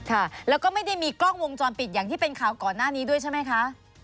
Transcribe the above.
ค่ะแล้วก็ไม่ได้มีกล้องวงจรปิดอย่างที่เป็นข่าวก่อนหน้านี้ด้วยใช่ไหมคะ